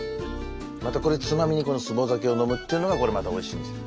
またこれつまみにこのすぼ酒を飲むっていうのがこれまたおいしいんですよ。